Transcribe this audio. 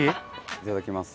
いただきます。